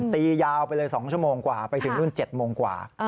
ยาวไปเลย๒ชั่วโมงกว่าไปถึงนู่น๗โมงกว่า